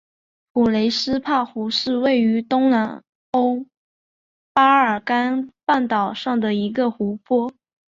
普雷斯帕湖是位于东南欧巴尔干半岛上的一个湖泊。